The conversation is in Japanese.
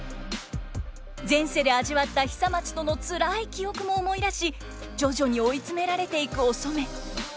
前世で味わった久松とのつらい記憶も思い出し徐々に追い詰められていくお染。